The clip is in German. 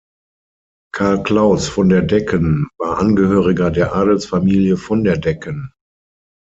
Karl Klaus von der Decken war Angehöriger der Adelsfamilie von der Decken.